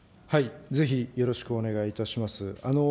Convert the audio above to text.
ぜひよろしくお願いいたします。